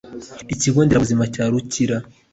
Ikigo Nderabuzima cya Rukira